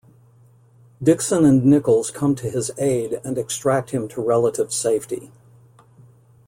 Dixon and Nichols come to his aid and extract him to relative safety.